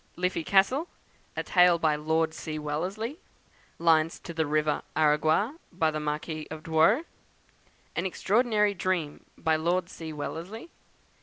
"Liffey Castle," a Tale by Lord C. Wellesley. "Lines to the River Aragua," by the Marquis of Douro. "An Extraordinary Dream," by Lord C. Wellesley.